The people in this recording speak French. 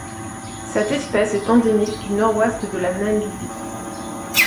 Cette espèce est endémique du Nord-Ouest de la Namibie.